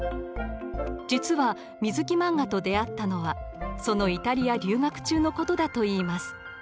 実は水木漫画と出会ったのはそのイタリア留学中のことだといいます。